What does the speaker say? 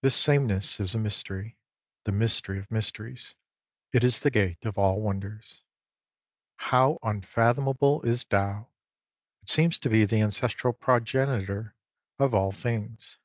This same ness is a mystery, — the mystery of mysteries. It is the gate of all wonders. How unfathomable is Tao ! It seems to be the ancestral progenitor of all things.